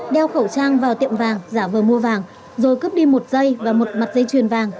đeo khẩu trang vào tiệm vàng giả vờ mua vàng rồi cướp đi một giây và một mặt dây chuyền vàng